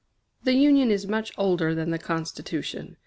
The Union is much older than the Constitution.